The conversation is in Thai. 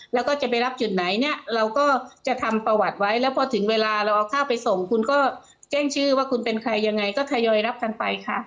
แล้วก็จะไปรับจุดไหนเนี่ยเราก็จะทำประวัติไว้แล้วพอถึงเวลาเราเอาข้าวไปส่งคุณก็แจ้งชื่อว่าคุณเป็นใครยังไงก็ทยอยรับกันไปค่ะ